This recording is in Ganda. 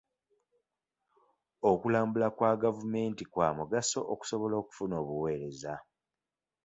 Okulambula kwa gavumenti kwa mugaso okusobola okufuna obuweereza.